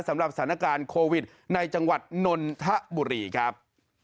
สำหรับสถานการณ์โควิดในจังหวัดนนทบุรีครับ